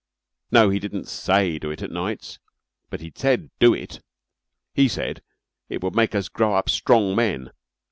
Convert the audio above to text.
"No, he didn't say do it at nights, but he said do it. He said it would make us grow up strong men.